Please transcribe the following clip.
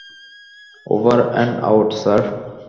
ওবার and out, sir.